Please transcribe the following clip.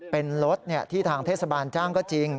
เป็นรถที่ทางเทศบาลจ้างก็จริง